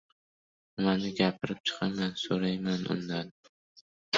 – Nimani gapirib chiqaman? – so‘rayman undan.